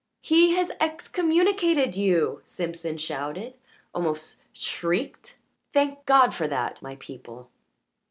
"He has excommunicated you!" Simpson shouted, almost shrieked. "Thank God for that, my people!"